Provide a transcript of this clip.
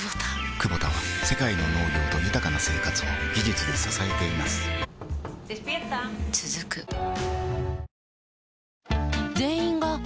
クボタは世界の農業と豊かな生活を技術で支えています起きて。